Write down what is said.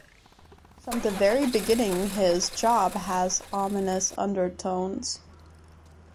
From the very beginning, his job has ominous undertones.